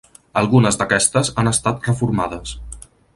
Algunes d'aquestes han estat reformades.